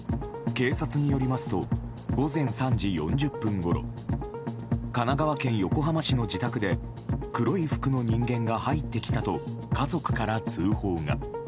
警察によりますと午前３時４０分ごろ神奈川県横浜市の自宅で黒い服の人間が入ってきたと家族から通報が。